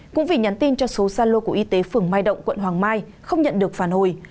cũng vì nhắn tin cho số xa lô của y tế phường mai động quận hoàng mai không nhận được phản hồi